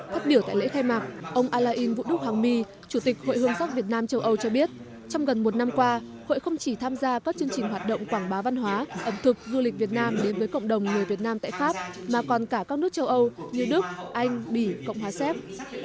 phát biểu tại lễ khai mạc ông alex vũu hoàng my chủ tịch hội hương sắc việt nam châu âu cho biết trong gần một năm qua hội không chỉ tham gia các chương trình hoạt động quảng bá văn hóa ẩm thực du lịch việt nam đến với cộng đồng người việt nam tại pháp mà còn cả các nước châu âu như đức anh bỉ cộng hòa séc